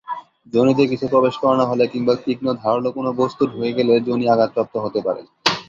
যোনিতে কিছু প্রবেশ করানো হলে কিংবা তীক্ষ্ণ ধারালো কোন বস্তু ঢুকে গেলে যোনি আঘাতপ্রাপ্ত হতে পারে।